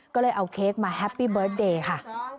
ก็เลยเอาเค้กมาแฮปปี้เบิร์ตเดย์ค่ะ